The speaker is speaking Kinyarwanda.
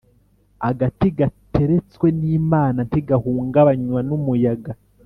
Agati gateretswe n’Imana ntigahungabanywa n’umuyaga.